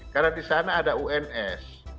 karena di sana ada uns